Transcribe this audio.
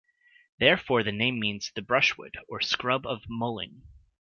Therefore, the name means "the brushwood" or "scrub of Moling".